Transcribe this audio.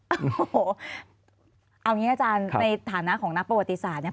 โอ้โหเอาอย่างนี้อาจารย์ในฐานะของนักประวัติศาสตร์เนี่ย